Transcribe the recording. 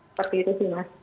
seperti itu sih mas